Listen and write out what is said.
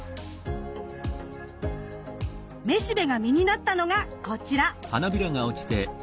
めしべが実になったのがこちら。